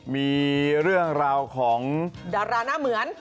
มีเรื่องราวของดาราหน้าเหมือน